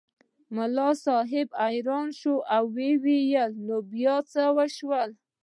ملا صاحب حیران شو او ویې ویل نو بیا څه وشول.